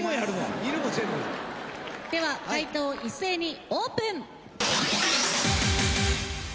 犬も全部？では解答一斉にオープン。